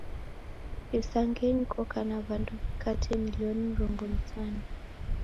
Isangenyi koka na w'andu w'ikate milioni mrongo msanu.